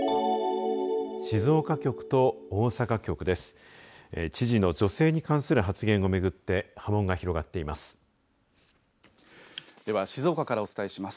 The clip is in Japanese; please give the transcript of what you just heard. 静岡局と大阪局です。